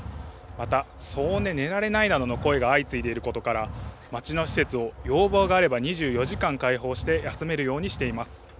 また、騒音で寝られないなどの声が相次いでいることから、町の施設を要望があれば２４時間開放して、休めるようにしています。